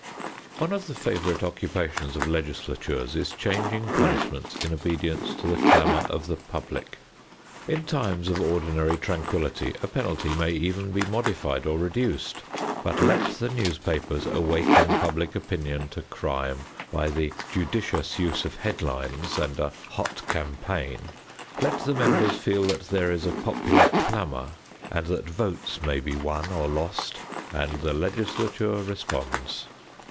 One of the favorite occupations of legislatures is changing punishments in obedience to the clamor of the public. In times of ordinary tranquility a penalty may even be modified or reduced, but let the newspapers awaken public opinion to crime by the judicious use of headlines and a hot campaign, let the members feel that there is a popular clamor and that votes may be won or lost, and the legislature responds.